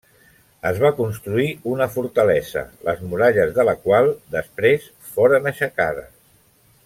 Es va construir una fortalesa les muralles de la qual després foren aixecades.